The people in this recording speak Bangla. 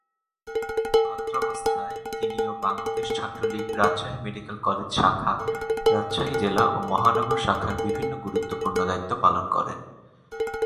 ছাত্রাবস্থায় তিনিও বাংলাদেশ ছাত্রলীগ রাজশাহী মেডিকেল কলেজ শাখা, রাজশাহী জেলা ও মহানগর শাখার বিভিন্ন গুরুত্বপূর্ণ দায়িত্ব পালন করেন।